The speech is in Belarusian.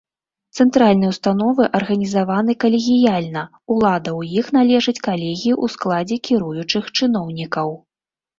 Цэнтральныя ўстановы арганізаваны калегіяльна, улада ў іх належыць калегіі ў складзе кіруючых чыноўнікаў.